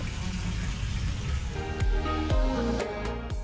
tidak cuma pertapean perlu sabar